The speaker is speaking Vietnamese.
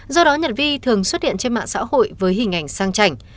do đó nhật vi thường xuất hiện trên mạng xã hội với hình ảnh sang chảnh